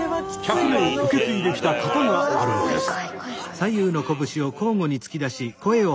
１００年受け継いできた型があるのです。